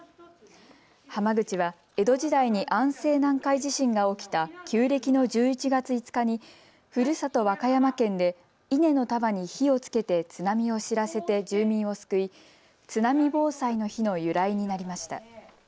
濱口は江戸時代に安政南海地震が起きた旧暦の１１月５日にふるさと、和歌山県で稲の束に火をつけて津波を知らせて住民を救い津波防災の日の由来になりました。